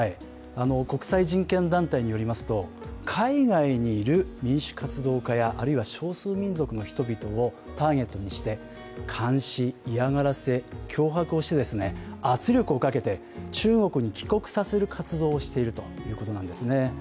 国際人権団体によりますと、海外にいる民主活動家やあるいは少数民族の人々をターゲットにして監視、嫌がらせ、脅迫をして圧力をかけて中国に帰国させる活動をしているということなんですね。